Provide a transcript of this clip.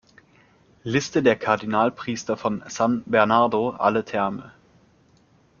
Liste der Kardinalpriester von San Bernardo alle Terme